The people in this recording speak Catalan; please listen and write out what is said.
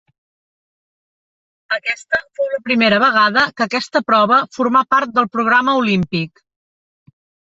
Aquesta fou la primera vegada que aquesta prova formà part del programa olímpic.